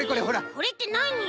これってなによ？